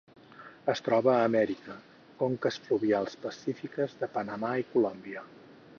Es troba a Amèrica: conques fluvials pacífiques de Panamà i Colòmbia.